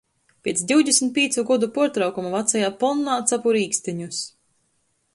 Piec divdesmit pīcu godu puortraukuma vacajā ponnā capu rīksteņus.